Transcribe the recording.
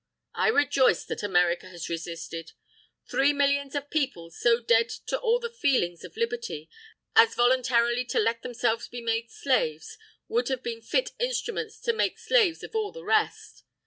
I rejoice that America has resisted. Three millions of people so dead to all the feelings of Liberty, as voluntarily to let themselves be made slaves, would have been fit instruments to make slaves of all the rest.